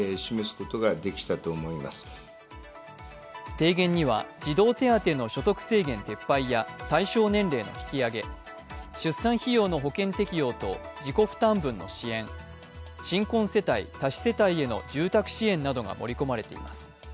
提言には児童手当の所得制限撤廃や対象年齢の引き上げ、出産費用の保険適用と自己負担分の支援、新婚世帯・多子世帯への住宅支援などが盛り込まれています。